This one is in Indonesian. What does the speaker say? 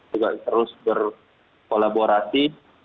juga terus berkolaborasi